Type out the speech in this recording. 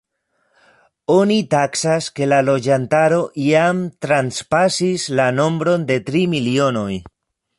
Oni taksas, ke la loĝantaro jam transpasis la nombron de tri milionoj.